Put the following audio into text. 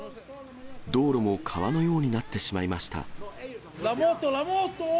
道路も川のようになってしまいました。